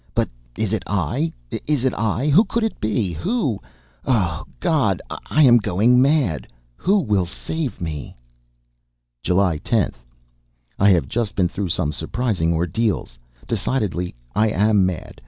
But is it I? Is it I? Who could it be? Who? Oh! God! Am I going mad? Who will save me? July 10th. I have just been through some surprising ordeals. Decidedly I am mad!